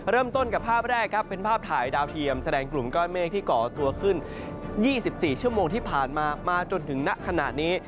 เริ่มต้นกับภาพแรกครับเป็นภาพถ่ายดาวเทียมแสดงกลุ่มก้อนเมฆที่ก่อตัวขึ้น๒๔ชั่วโมงที่ผ่านมามาจนถึงณขณะนี้